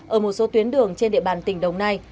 ở một số tuyến đường trên địa bàn tỉnh đồng nai